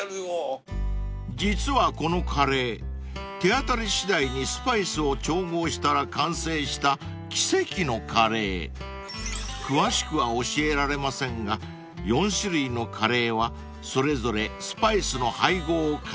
［実はこのカレー手当たり次第にスパイスを調合したら完成した奇跡のカレー］［詳しくは教えられませんが４種類のカレーはそれぞれスパイスの配合を変えています］